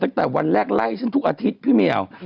ตั้งแต่วันแรกไล่ฉันทุกอาทิตย์พี่เมียว